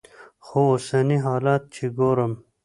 خو اوسني حالات چې ګورم.